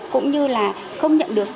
cũng như là không nhận được tiền